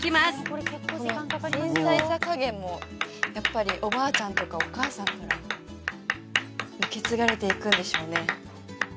この繊細さ加減もやっぱりおばあちゃんとかお母さんから受け継がれていくんでしょうね